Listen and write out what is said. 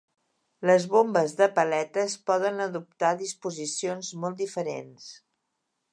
Les bombes de paletes poden adoptar disposicions molt diferents.